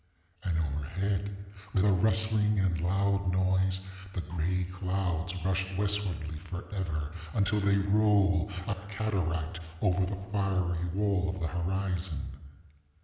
And overhead, with a rustling and loud noise, the gray clouds rush westwardly forever, until they roll, a cataract, over the fiery wall of the horizon.